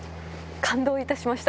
感動いたしました。